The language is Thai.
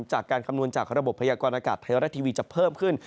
คำนวณจากระบบพยากรณากาศไทยรัฐทีวีจะเพิ่มขึ้น